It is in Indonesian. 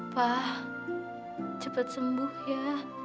pak cepat sembuh ya